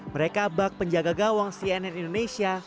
mereka bak penjaga gawang cnn indonesia